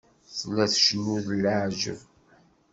Tella tcennu d leɛǧeb.